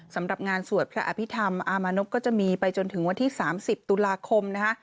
สำหรับงานสวดพระอภิษฐรรมอามานพก็จะมีไปจนถึงวันที่๓๐ตุลาคมนะคะ